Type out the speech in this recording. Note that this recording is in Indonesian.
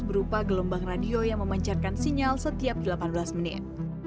berupa gelombang radio yang memancarkan sinyal setiap delapan belas menit